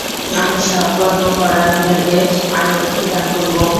আমি সকর্মপরায়ণদেরকে আরও অধিক দান করব।